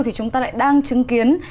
thì chúng ta lại đang chứng kiến